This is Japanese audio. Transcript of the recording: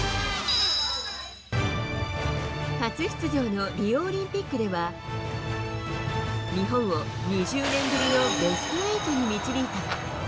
初出場のリオオリンピックでは日本を、２０年ぶりのベスト８に導いた。